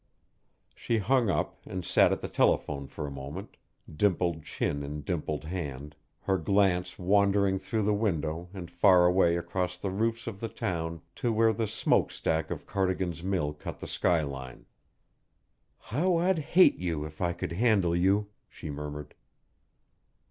She hung up and sat at the telephone for a moment, dimpled chin in dimpled hand, her glance wandering through the window and far away across the roofs of the town to where the smoke stack of Cardigan's mill cut the sky line. "How I'd hate you if I could handle you!" she murmured.